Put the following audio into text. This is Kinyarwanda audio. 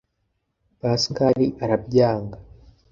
Pascal arabyanga